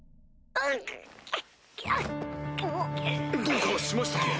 どうかしましたか？